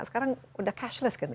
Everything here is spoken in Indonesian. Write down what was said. sekarang udah cashless kan